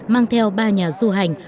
mang theo ba nhà du hành